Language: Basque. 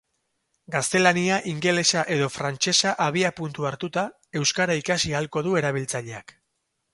Gaztelania, ingelesa edo frantsesa abiapuntu hartuta, euskara ikasi ahalko du erabiltzaileak.